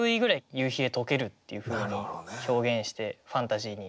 「夕日へ溶ける」っていうふうに表現してファンタジーに。